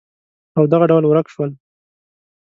او دغه ډول ورک شول